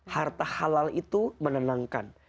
harta halal itu menenangkan